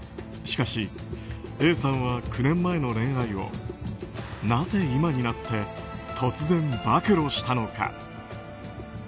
しかし、Ａさんは９年前の恋愛をなぜ今になって突然暴露したのか。